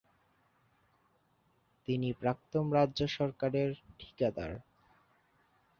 তিনি প্রাক্তন রাজ্য সরকারের ঠিকাদার।